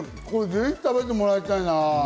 ぜひ食べてもらいたいな。